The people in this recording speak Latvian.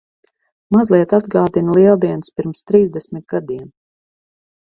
Mazliet atgādina Lieldienas pirms trīsdesmit gadiem.